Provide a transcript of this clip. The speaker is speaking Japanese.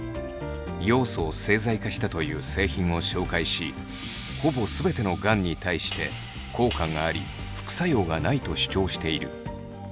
ヨウ素を製剤化したという製品を紹介し「ほぼ全てのがん」に対して「効果があり副作用がない」と主張している。